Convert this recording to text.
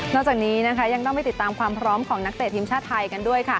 นอกจากนี้ยังได้ไปติดตามความพร้อมของนักเตะทีมชาติไทยกันด้วย